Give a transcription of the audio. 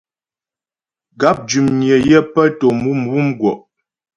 Gáp dʉmnyə yə pə́ tò mwǔmwù mgwɔ'.